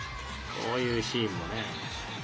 こういうシーンもね。